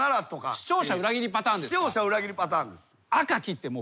視聴者裏切りパターンです。